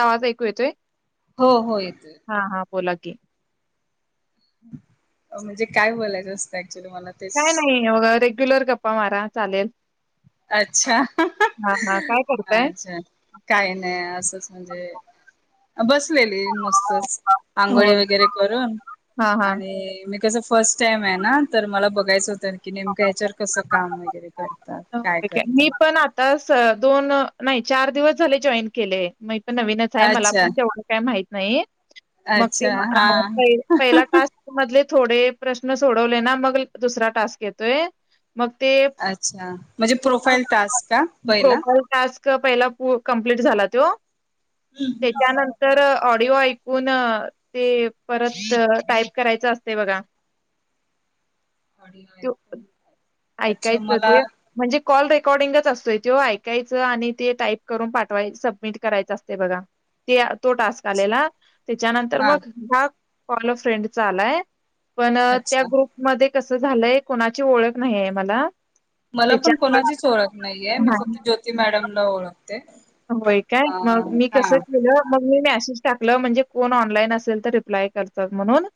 आवाज ऐकू येतोय हो हो येतो हा येतो हा बोला की. म्हणजे काय बोलायचं असतं. ऍक्च्युली मला काय तेच नाही हो रेग्युलर गप्पा मारा. चालेल अच्छा हा, हा काय करताय? अच्छा काही नाही असंच म्हणजे बसलेली नुसतच आंघोळी होय. वगैरे करून हा, हा. आणि मी कसं. फर्स्ट टाइम आहे ना तर मला बघायचं होतं की नेमकं याच्यावर कसं काम वगैरे. करतात काय मी करतात पण आताच दोन नाही चार दिवस झाले जॉईन केलंय. नवीनच आहे मला अच्छा पण तेवढं काय माहिती पण नाही मग अच्छा हा ते पहिला टास्क मध्ये थोडे प्रश्न सोडवले ना मग दुसरा टास्क येतोय मग ते अच्छा म्हणजे पूर्ण प्रोफाईल टास्क का पहिला प्रोफाईल टास्क पहिला कंप्लीट झाला तो हम्म हम्म हम्म त्याच्यानंतर ऑडिओ ऐकून ते परत टाईप करायचं असते बघा तो अच्छा ऐकायचं मला ते म्हणजे [unintelligible] कॉल रेकॉर्डिंगच असतोय तो ऐकायच आणि ते टाईप करून पाठवाय सबमिट करायचं असते बघा ते तो टास्क आलेला त्याच्यानंतर हा मग कॉल अ फ्रेंडचा आलाय पण त्या अच्छा ग्रुपमध्ये कस झालंय कोणाची ओळख नाहीय मला मला पण कोणाचीच ओळख नाहीये मी त्याच्यामुळे फक्त ज्योती मॅडम हो होय काय मग मी. कस हा केलं मग मी नाही मेसेज टाकला म्हणजे कोण ऑनलाईन असेल तर रिप्लाय करतात म्हणून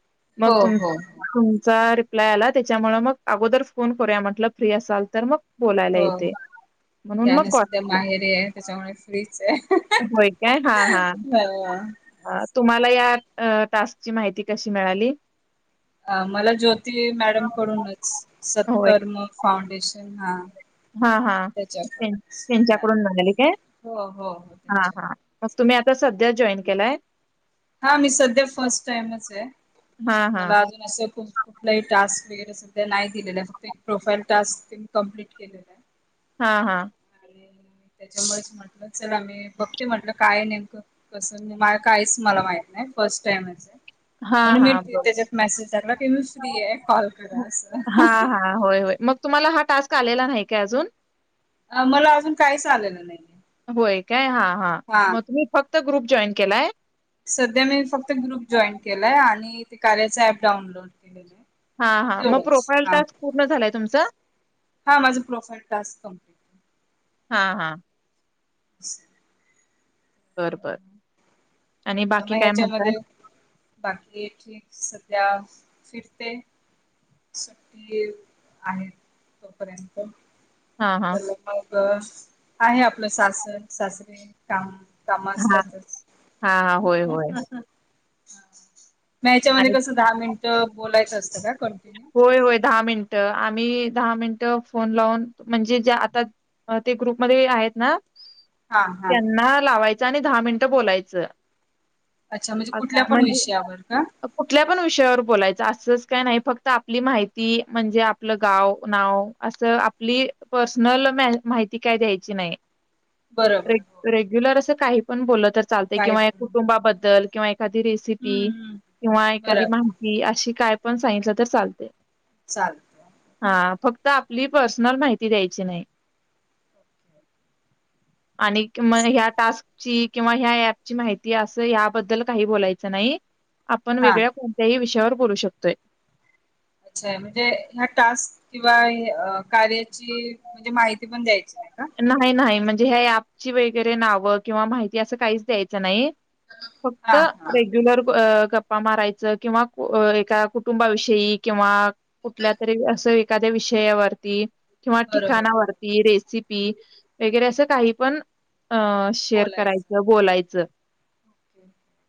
मग हो तुम हो तुमचा रिप्लाय आला त्याच्यामु मग अगोदर फोन करूया म्हटलं फ्री असाल तर मग बोलायला हो येते. म्हणून मग त्याना कॉल सुध्या केला. माहेरी आहे त्याच्यामुळे फडीचे होय काय हा हा तुम्हाला या अ टास्कची माहिती कशी मिळाली अ मला ज्योती मॅडम कडूनच होय. सत्कर्म फड स्टेशन हा हां, हां. त्याच्या त्यां कड त्यांच्याकडून मिळाली काय? हो हो हो हां, त्याच्या हां. मग कड तुम्ही आता सध्या जॉईन केलाय हा मी सध्या फर्स्ट टाईमच आहे आणि हां, हां. मला अजून असं कुठलाही टास्क नाही दिलेला प्रोफाईल टस्क कंप्लिट केला आहे हा हा त्याच्यामुळेच म्हटलं चला आम्ही बघते म्हटलं काय नेमकं कसंला काहीच मला माहित नाही फर्स्ट टाईमं हां, म्हणून मी हां. बरोबर. त्याच्यात मेसेज टाकला की मी फ्री आहे कॉल करा अस हां, हां. होय, होय. मग तुम्हाला हा टास्क आलेला नाही काय अजून अ मला अजून काहीच आलेलं नाहीय होय काय हा हा मग तुम्ही फक्त ग्रुप जॉईन केलाय सध्या मी फक्त ग्रुप जॉईन केलाय आणि ते कार्याच ऍप डाउनलोड केलेलं हा हा मग तेवढंच प्रोफाईल हा टास्क पूर्ण झालाय तुमच हा माझ प्रोफाईल टास्क कमप्लीट आहे हा हा [inaudible] बर बर आणि अच्छा बाकी मग काय म्हणताय ह्याच्यामध्ये बाकी ठीक सध्या फिरते. सुट्टी आहेत तोपर्यंत हां, हां. [inaudible] आहे आपलं सासर. सासरे, काम. काम हां, असतातच. हां, हां. [inaudible] होय, होय. म याच्यामध्ये आणि कसं, दहा मिनिटं बोलायचं असतं का? कंटिन्यू? होय. होय, दहा मिनटं. आम्ही दहा मिनटं, फोन लावून म्हणजे जे, आता ते ग्रुपमध्येध्ये आहेत ना. हा हा त्यांना लावाय त्यानं दहा मिनिट बोलायचं. म्हणजे अच्छा, कुठल्या पण म्हणजे विषयावर का कुठल्या पण विषयावर बोलायचं असच. काय नाही फक्त- त आपली माहिती म्हणजे आपलं गाव, नाव असं आपली पर्सनल माहिती काय द्यायची नाही. बरोबर हो. रेग्युलर असं काही- पण बोलत. तर चालतय काय किंवा या पण हम्म कुटुंबाबद्दल. किंवा ए एखादी रेसिपी, हम्म किंवा एखादी बरोबर माहिती, अशी काय- पण सांगितला. तर चालतय. चालेल. ह फक्त आपली पर्सनल माहिती द्यायची नाही. आणि म ह्या टास्कची किंवा ह्या ॲप ची माहिती अस ह्याबद्दल काही बोलायच नाही. आपण हा वेगळ्या कोणत्याही विषयावर- बोलू शकतोय. अच्छा. म्हणजे ह्या टास्क किंवाअ कार्याची म्हणजे माहिती पण द्यायची. नाही का? नाही नाही म्हणजे- म्हणजे ह्या ऍपची वगैरे नावं किंवा माहिती असं काहीच द्यायचं नाही. फक्त हा हा रेग्युलर अ गप्पा मारायचं किंवा एका कुटुंबाविषयी किंवा कुठल्या तरी असं एखाद्या विषयावरती. किंवा बरोबर बरोबर ठिकाणावरती, रेसिपी- वगैरे असं काही पण, - अ शेअर बोलायचं. करायचं, बोलायचं. ओके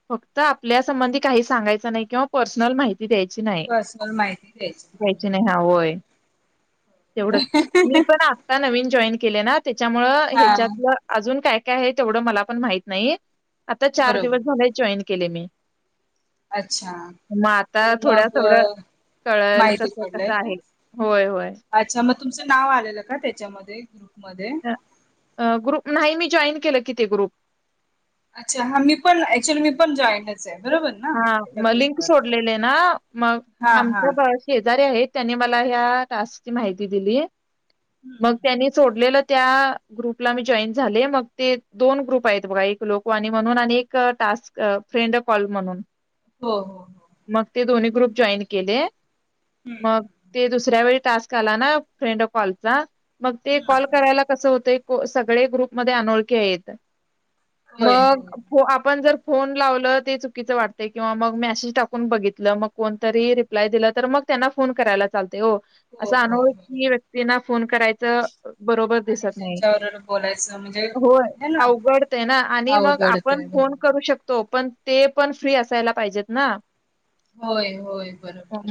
फक्त आपल्या संबंधी काही सांगायचं नाही, किंवा पर्सनल माहिती. द्यायची नाही पर्सनल माहिती द्यायची नाही हा होय. तेवढच मी पण आता नवीन जॉईन. केलय ना. त्याच्यामुळ हा ह्याच्यातलं अजून काय. काय आहे तेवढं मला पण माहित नाही. आता चार बरोबर दिवस झालाय जॉईन. केले मे. अच्छा तर थोड्या मग थोडं कळल माहिती कसं पडलय कसं का आहे होय होय अच्छा मग तुमचं नाव आलेल का त्याच्यात. मध्ये. अ अ ग्रुप नाही मी. जॉईन केलं की ते ग्रुप. अच्छा हा मी पण ऍक्च्युली मी पण जॉईंटच आहे. बरोबर ना हा त्या मग लिंक ग्रुपवर. सोडलेले ना मग हा हा आमच्या शेजारी आहेत. त्यांनी मला ह्या टास्क ची माहिती दिली. मग हम्म त्यांनी सोडलेलं. त्या ग्रुपला मी जॉईन झाले मग ते दोन ग्रुप आहेत बघा एक लोकवाणी म्हणून आणि एक टास्क फ्रेंड अ कॉल म्हणून. हो हो हो. मग ते दोन्ही ग्रुप जॉईन केले. हम्म मग ते दु दुऱ्यावेळी टास्क आला ना फ्रेंड ए कॉलचा. मग ते हम्म कॉल हम्म. करायला कसं होतंय. सगळे ग्रुपमध्ये अनोळखे आहेत. होय होय मग आपण जर. फोन लावलं ते चुकीचं वाटत. किंवा मग मेसेज टाकून बघितलं मग कोणतरी रिप्लाय दिलं तर मग त्यांना फोन करायला चाल तय ओ हो असं हो हो अनोळखी व्यक्तींना. फोन करायचं. बरोबर आणि दिसत नाही, त्यांच्यावर बोलायचं म्हणजे होय हे ना अवघडतय ना आणि मग आपण अवघडतय फोन बरोबर करू शकतो. पण ते पण. फ्री असायला पाहिजेत ना. होय होय बरोबर.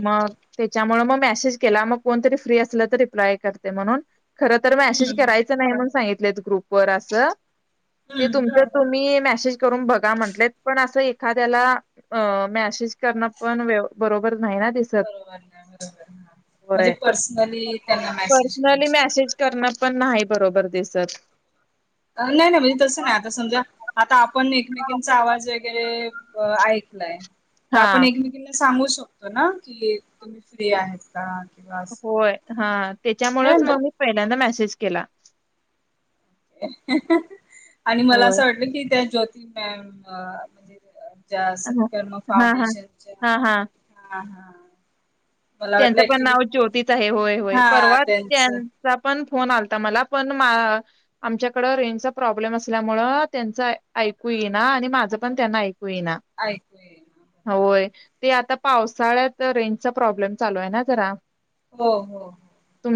त्याच्यामुळं मग मेसेज केला मग कोणतरी फ्री असलं तर रिप्लाय करते म्हणून. खरं तर मॅसेज हम्म करायचं नाही म्हण सांगित ल्यात ग्रुप वर अस. ते हम्म हम्म तुमच तुम्ही मेसेज करून बघा म्हंटलेत पण असं ए त्याला अ मॅसेज करणं पण व्यव बरोबर नाही ना दिसत. बरोबर हां बरोबर हां म्हणजे होय. पर्सनली त्यांना मेसेज करू पर्सनली शक मेसेज करणं पण नाही बरोबर दिसत. नाही नाही म्हणजे तसं नाही आता समजा आता आ पण एकमेकींचा आवाज वगैरे. अ ऐकलाय. तर हा. आपण एकमेकांना सांगू शक कतो ना की तुम्ही फ्री आहेत का? किंवा असं होय हां हे त्याच्यामुळेच ना मग मी पहिल्यांदा मेसेज केला. आणि मला होय. असं वाटलं की त्या ज्यो ती मॅम म्हणजे अ ज्या हां. सत्कर्म हां, हां. फाउंडेशनच्या हां, हां. हां हां. त्यांचं पण नाव ज्योतीच आहे होय होय हा परवा त्यांचं त्यांचा पण. फोन आलता मला पण मा आमच्याकड रेंजचा प्रॉब्लेम असल्यामुळे त्यांच ऐकू येना आणि माझं पण त्यांना ऐक कू येईना ऐकू ये अ होय. ते आता पावसाळ्यात रेंज चा प्रॉब्लेम. चालू आहे ना जरा. हो हो हो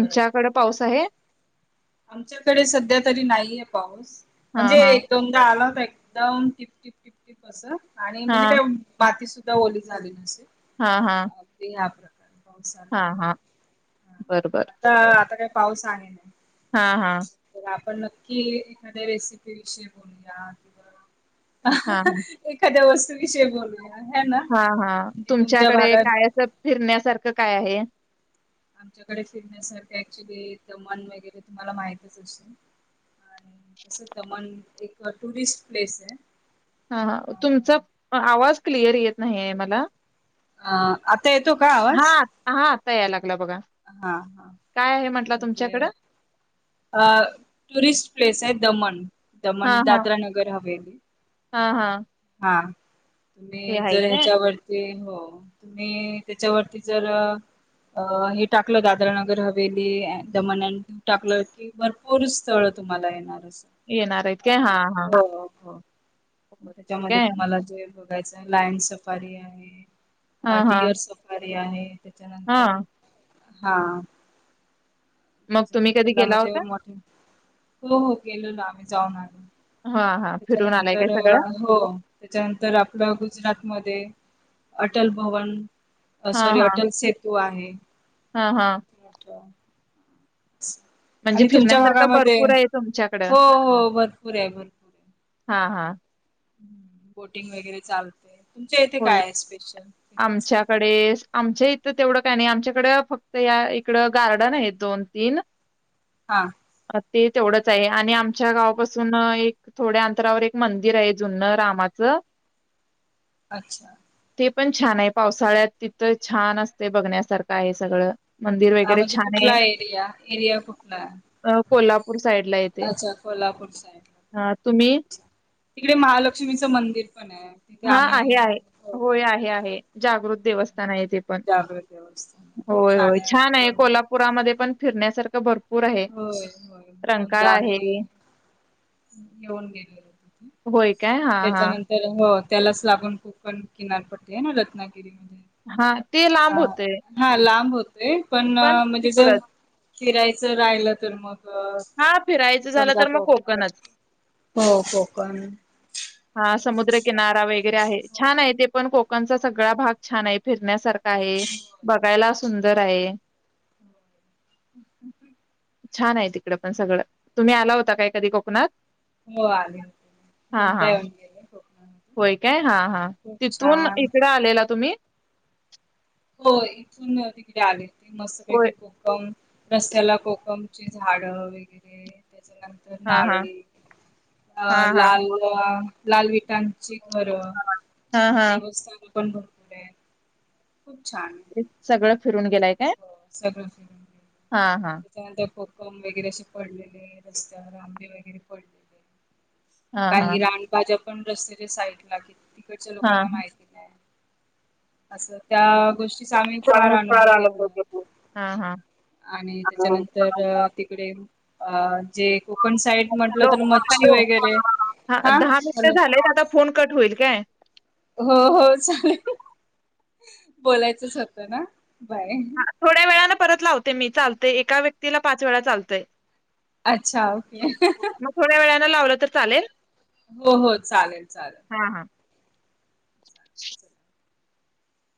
बरोबर पाऊस आहे? आमच्याकडे सध्या तरी नाहीये पाऊस. हां, म्हणजे हां. एक-दोनदा आला होता एक एकदा होऊन टिप टिप अस. आणि म्हणजे हां, काय बाती सु दवली झाली नसे. हा हा. पाऊस आला हा हा. बर बर. आता आता पाऊस आहे ना. हा हा. पण नक्की एखाद्या रेसिपी विषयी बोलूया. अहह एखाद्या वस्तू. विषय बोल. हा हा तुमच्याकडे भागात काय असं फिरण्यासारखं काय आहे. आमच्याकडे फिरण्यास सारखे ऍक्च्युली दमन वगैरे तुम्हाला माहितच असे. आणि तस दमण एक. अ टुरिस्ट प्लेस आहे. हा हा तुमचा आवाज क्लिअर येत नाही आहे मला. अ आता येतो का आवाज. हां, हां. आता यात लागलय. हा हा म्हटला म्हणजे तुमच्याकडं? अ टुरिस्ट प्लेस आहे दमण. दमण दादरा नगर हवेल. हा हा. हा. तुम्ही जर काय? ह्याच्यावरती. हो तुम्ही त्याच्यावरती जर अ हे टाकलं दादरा नगर हवेली दमन अँड टाकलं की भरपूर स्थळ तुम्हाला येणार. येणार आहेत काय? हां, हां. हो हो. होय त्यामध्ये काय? तुम्हाला जे. बघायचा लाईन सफारी आहे. हां, हां. हाडिअर सफ. ते आहे. तिच्या नंतर हां. हा. मग तुम्ही कधी त्याच्यानंतरला गेला म्हणजे होता? मोठे. हो हो गेलो ना आम्ही जाऊन आलो. हां, हां. फिरून आलाय काय त्याच्यानंतर सगळं? हो त्याच्यानंतर आपलं गुजरात मध्ये. अटल भवन. अ हां, सॉरी हां. अटल सेतू आहे. हां, हां. म्हणजे आणि तुमच्या फिरण्यासारखं भागामधे भरपूर आहे तुमच्याकडं. हो हो भरपूर हे भर हा हा. बोटिंग वगैरे चालते. तुमच्या इथे होल काय आहे स्पेशल आमच्याकडे फिरण्यासारखं स आमच्या ई थ तेवढं काय नाही आमच्याकड फक्त ह्या इकडं गार्डन आहेत दोन-तीन. हा. ते तेवढंच आहे आणि आमच्या गावापासून एक थोड्या अंतरावर एक मंदिर आहे जुन्न रामाचं. अच्छा! ते पण छान आहे पावसाळ्यात तिथं छान असतंय बघण्यासारखं आहे सगळं. मंदिर आ वगैरे म्हणजे छान आहे कुठला एरिया? एरिया कुठला? अ, कोल्हापूर साईडला येते अच्छा, कोल्हापूर साइड. अ, तुम्ही तिकडे महालक्ष्मीचं मंदिर पण आहे तिथे हा आहे आम्ही आहे हो हो होय आहे आहे. जागृत हो. देवस्थान आहे तेे पण जागृत देवस्थान खूप होय होय आम्ही छान आहे दोनदा कोल्हापुरामध्ये पण फिरण्यासार त भर होय, होय, दोनदा आम्ही आहे येऊन गेलो होय काय हा हा त्याच्यानंतर हो त्यालास लागून कोकण किनारपट्टी हेना रत्ना हां, ते लांब हा, होतंय. हा लांब होत ते पण अ म्हणजे जर फिराय च राहिलं तर मग. अ हां, फिरायचं झालं समजा तर मग कोकणच. कोकणात हो कोकण. हा, त्याच्यानंतर समुद्रकिनारा कोल्हापूर वेगैरे आहे वगैरे छान आहे ते पण कोक कनचा सगळा भाग छान आहे फिरण्यासार का हे हो बघायला अस सुंदर आहे. [inaudible] छान आहे तिकड पण सगळं. तुम्ही आला होता काय कधी कोकणात? हो आले, हां, दोनदा हां. येव होय काय हा हा खूप तिथून छान इकडं आलेला तुम्ही? [inaudible] होय इथून तिकडे आले. मस्तपैकी होय. कोकण रस्त्याला कोकमची झाडं वेगैरे. त्याच्यानंतर हां, हां. नारळी अ हां, हां. लालवा लाल विटान ची घर, हां, हां. देवस्थान पण [unintelligible] खूप छान ते सगळं. फिरून. गेलाय काय? हो सगळं फिरून गेलंय, हां, हां. त्याच्यानंतर खूप. कम वगैरे असे पडलेले रस्त्यावर, आंबे वगैरे पडलेले. हां, काही हां. रान भाज्या. पण रस्त्याच्या साईड लागल. तिकडच्या लोकांना हां. माहिती नाही. असं त्या गोष्टी. आम्ही फार अनुभव घेतो. हां, हां. आणि त्याच्यानंतर तिकडे. अ जे कोकण साईड म्हटलं हलो, तर मच्छी हॅलो, वगैरे हा दहा मिनिट झालेय आता फोन कट होईल काय. हो हो चालेल बोलायचंच होतं ना. बाय. हा थोड्या वेळानं परत लावते मी, चालते एका व्यक्तीला पाच वेळा चालत. अच्छा! [unintelligible] थोड्या वेळानं लावलं तर चालेल. हो हो, चालेल चालेल. चालेल चला. [inaudible]